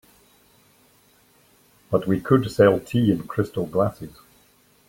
But we could sell tea in crystal glasses.